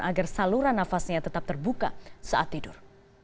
agar saluran nafasnya tetap terbuka saat tidur